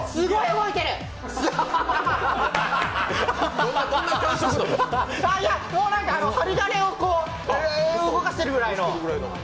もうなんか、針金をこう、動かしてるぐらいの。